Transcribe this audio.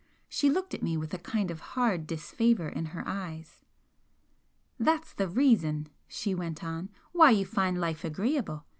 She looked at me with a kind of hard disfavour in her eyes. "That's the reason," she went on "why you find life agreeable.